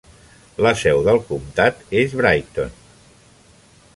La seu del comtat és Brighton.